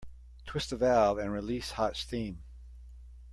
Twist the valve and release hot steam.